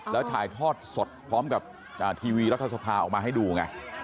แล้วถ่ายทอดสดพร้อมกับทีวีรัฐสภาออกมาให้ดูไง